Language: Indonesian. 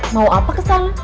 mau apa kesana